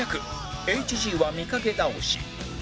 ＨＧ は見掛け倒し